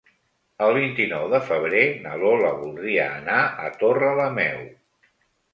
El vint-i-nou de febrer na Lola voldria anar a Torrelameu.